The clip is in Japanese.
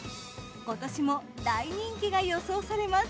今年も大人気が予想されます。